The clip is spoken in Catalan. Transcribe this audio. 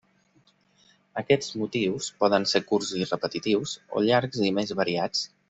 Aquests motius poden ser curts i repetitius, o llargs i més variats.